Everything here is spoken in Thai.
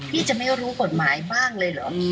จะไม่รู้กฎหมายบ้างเลยเหรอ